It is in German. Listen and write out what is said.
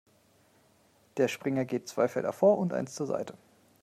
Der Springer geht zwei Felder vor und eins zur Seite.